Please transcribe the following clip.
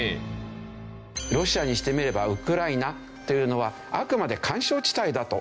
ロシアにしてみればウクライナというのはあくまで緩衝地帯だと。